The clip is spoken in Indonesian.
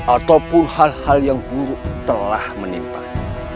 ataupun hal hal yang buruk telah menimpa